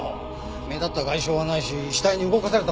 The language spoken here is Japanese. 目立った外傷はないし死体に動かされた痕跡もない。